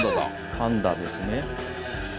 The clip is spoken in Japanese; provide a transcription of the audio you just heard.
パンダですね。